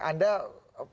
anda prof vika mengatakan